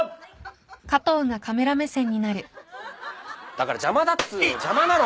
だから邪魔だっつうの。